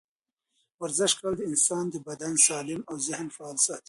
ورزش کول د انسان بدن سالم او ذهن یې فعاله ساتي.